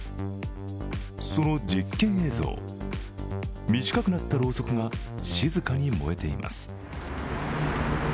その実験映像、短くなったろうそくが静かに燃えています。